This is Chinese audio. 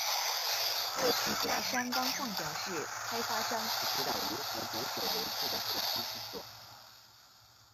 作曲家山冈晃表示开发商不知道如何着手游戏的后期制作。